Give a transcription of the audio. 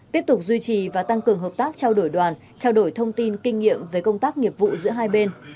tiếp tục duy trì và tăng cường hợp tác trao đổi đoàn trao đổi thông tin kinh nghiệm về công tác nghiệp vụ giữa hai bên